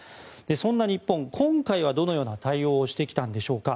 そんな日本、今回はどのような対応をしてきたのでしょうか。